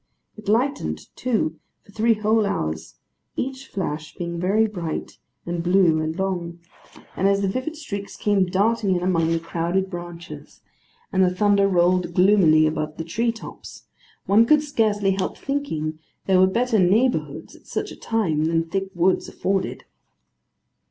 It lightened too, for three whole hours; each flash being very bright, and blue, and long; and as the vivid streaks came darting in among the crowded branches, and the thunder rolled gloomily above the tree tops, one could scarcely help thinking that there were better neighbourhoods at such a time than thick woods afforded.